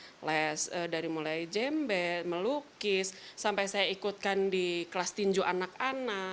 terus saya juga abang saya coba les piano les dari mulai jembet melukis sampai saya ikutkan di kelas tinjuan dan kelas karyanya